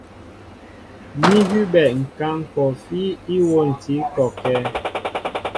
Ní hʉbɛ ŋ̀kǎŋ kɔɔfí íwôntǐ kɔkɛ́.